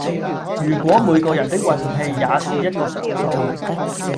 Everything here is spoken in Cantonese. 如果每個人的運氣也是一個常數